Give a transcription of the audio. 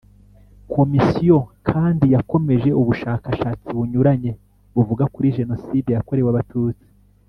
Komisiyo kandi yakomeje ubushakashatsi bunyuranye buvuga kuri Jenoside yakorewe Abatutsi